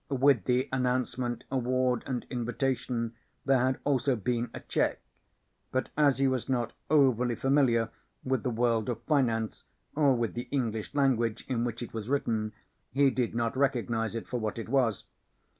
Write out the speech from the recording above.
With the announcement, award, and invitation, there had also been a check; but as he was not overly familiar with the world of finance or with the English language in which it was written, he did not recognize it for what it was.